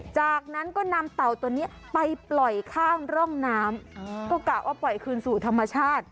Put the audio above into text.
จากนั้นก็นำเต่าตัวนี้ไปปล่อยข้างร่องน้ำก็กะว่าปล่อยคืนสู่ธรรมชาติ